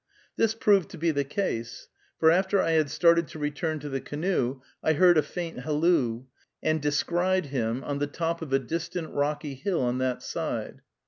This proved to be the case; for after I had started to return to the canoe, I heard a faint halloo, and descried him on the top of a distant rocky hill on that side.